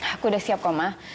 aku udah siap koma